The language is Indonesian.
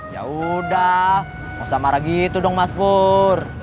yaudah gak usah marah gitu dong mas pur